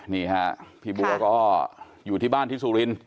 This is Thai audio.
นี่ฮะพี่บัวก็อยู่ที่บ้านที่สุรินท